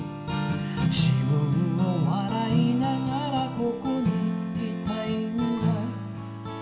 「自分を嗤いながらここに居たいんだ」